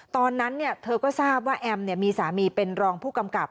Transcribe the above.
ตอนนั้นเธอก็ทราบว่าแอมมีสามีเป็นรองผู้กำกับ